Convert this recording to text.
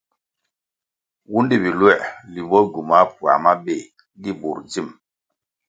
Wundi biluer limbo gywumah puáh mabéh di bur dzim.